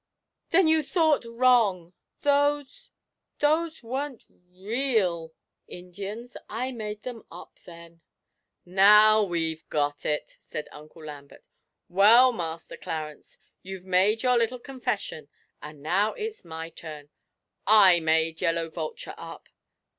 'Then you thought wrong! Those those weren't real Indians I made them up, then!' 'Now we've got it!' said Uncle Lambert. 'Well, Master Clarence, you've made your little confession, and now it's my turn I made Yellow Vulture up!'